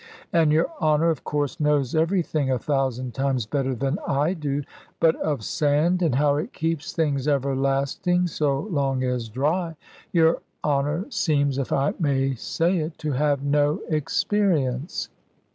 And your Honour, of course, knows everything a thousand times better than I do; but of sand, and how it keeps things everlasting (so long as dry), your Honour seems, if I may say it, to have no experience."